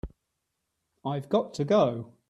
I've got to go.